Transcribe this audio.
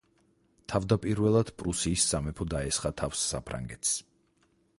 თავდაპირველად პრუსიის სამეფო დაესხა თავს საფრანგეთს.